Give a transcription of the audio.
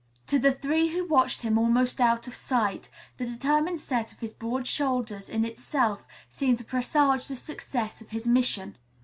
To the three who watched him almost out of sight, the determined set of his broad shoulders in itself seemed to presage the success of his mission.